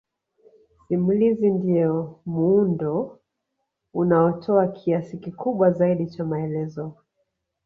Simulizi ndiyo muundo unaotoa kiasi kikubwa zaidi cha maelezo